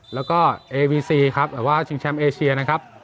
แล้วก็เอวีซีครับแบบว่าชิงแชมป์เอเชียนะครับ